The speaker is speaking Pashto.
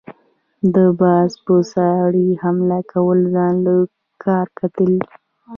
د باز په څاړي حمله كول ځان له کار کتل دي۔